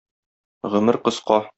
Гомер кыска.